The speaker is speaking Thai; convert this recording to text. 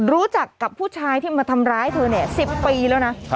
รู้จักกับผู้ชายที่มาทำร้ายเธอ๑๐ปีแล้วนะ